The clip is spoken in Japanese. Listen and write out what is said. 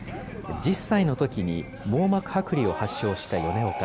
１０歳のときに網膜剥離を発症した米岡。